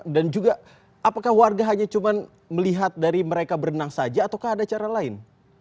dan juga apakah warga hanya cuma melihat dari mereka berenang saja atau ada cara lain